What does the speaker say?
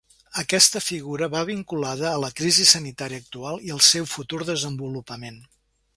Aquesta figura va vinculada a la crisi sanitària actual i al seu futur desenvolupament.